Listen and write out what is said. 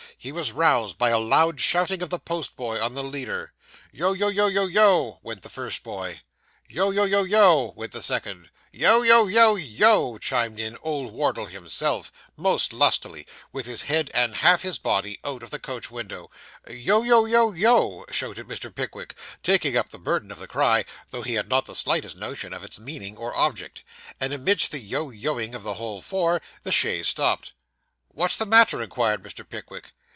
He was roused by a loud shouting of the post boy on the leader. 'Yo yo yo yo yoe!' went the first boy. 'Yo yo yo yoe!' went the second. 'Yo yo yo yoe!' chimed in old Wardle himself, most lustily, with his head and half his body out of the coach window. 'Yo yo yo yoe!' shouted Mr. Pickwick, taking up the burden of the cry, though he had not the slightest notion of its meaning or object. And amidst the yo yoing of the whole four, the chaise stopped. 'What's the matter?' inquired Mr. Pickwick.